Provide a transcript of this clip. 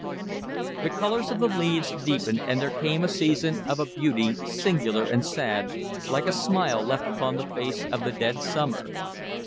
The color of the leaves deepened, and there came a season of a beauty singular and sad, like a smile left upon the face of the dead summer.